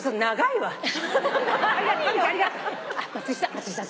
松居さん。